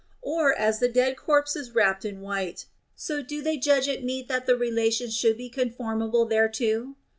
Or, as the dead corpse is wrapped in white, so do they judge it meet that the relations should be conformable thereto